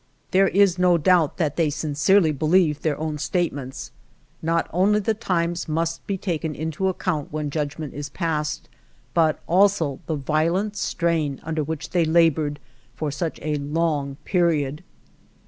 There is no doubt that they sincerely be lieved their own statements. Not only the times must be taken into account when xviii INTRODUCTION judgment is passed, but also the violent strain under which they labored for such a long period.